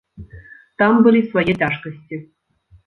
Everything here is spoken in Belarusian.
Там былі свае цяжкасці.